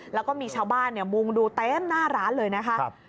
แล้วก็มีชาวบ้านมุงดูเต็มหน้าร้านเลยนะคะ